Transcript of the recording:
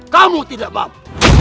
kamu tidak mampu